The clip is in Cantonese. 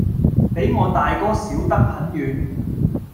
比我大哥小得遠，